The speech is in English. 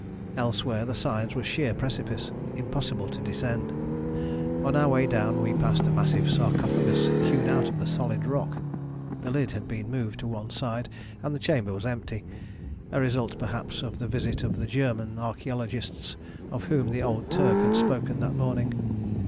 Elsewhere the sides were sheer precipice, impossible to descend. On our way down we passed a massive sarcophagus hewn out of the solid rock. The lid had been moved to one side, and the chamber was empty a result, perhaps, of the visit of the German archæologists of whom the old Turk had spoken that morning.